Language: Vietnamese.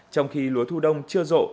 trong khi lúa thu đông chưa rộ